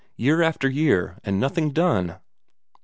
Year after year and nothing done."